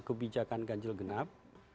kebijakan ganjil gendap